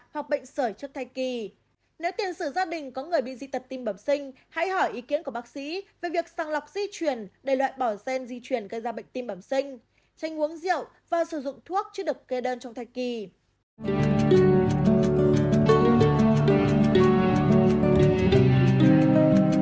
hãy đăng kí cho kênh lalaschool để không bỏ lỡ những video hấp dẫn